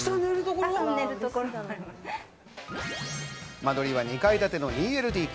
間取りは２階建ての２ＬＤＫ。